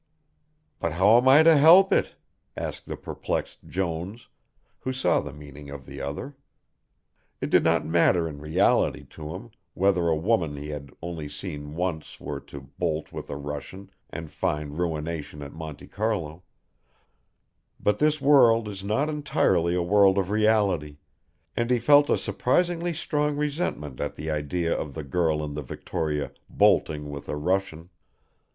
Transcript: "But how am I to help it?" asked the perplexed Jones, who saw the meaning of the other. It did not matter in reality to him, whether a woman whom he had only seen once were to "bolt" with a Russian and find ruination at Monte Carlo, but this world is not entirely a world of reality, and he felt a surprisingly strong resentment at the idea of the girl in the Victoria "bolting" with a Russian.